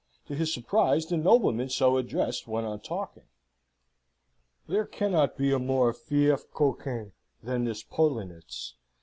To his surprise the nobleman so addressed went on talking. "There cannot be a more fieffe coquin than this Poellnitz.